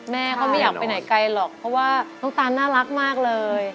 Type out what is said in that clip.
แม่เขาไม่อยากไปไหนไกลหรอกเพราะว่าน้องตานน่ารักมากเลย